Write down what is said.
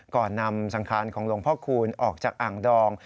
ก่อนนำสังคารของหลวงพ่อคูณออกจากอ่างดอง